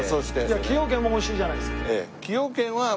崎陽軒も美味しいじゃないですか。